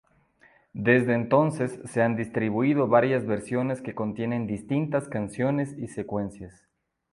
Desde entonces se han distribuido varias versiones que contienen distintas canciones y secuencias.